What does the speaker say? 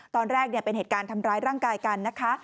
ตอนแรกเป็นเหตุการณ์ทำร้ายร่างกายกันนะคะ